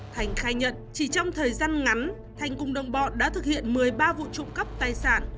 thành khai nhận chỉ trong thời gian ngắn thành cùng đồng bọn đã thực hiện một mươi ba vụ trộm cắp tài sản